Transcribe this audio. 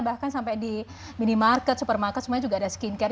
bahkan sampai di minimarket supermarket semuanya juga ada skincare